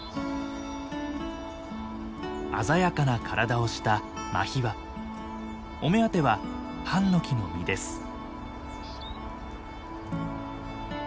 鮮やかな体をしたお目当てはハンノキの実です。